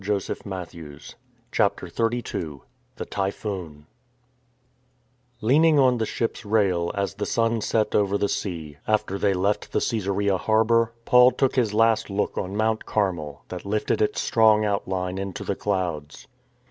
BOOK IV FINISHING THE COURSE XXXII THE TYPHOON LEANING on the ship's rail as the sun set over the J sea, after they left the Csesarea harbour, Paul took his last look on Mount Carmel, that lifted its strong outline into the clouds.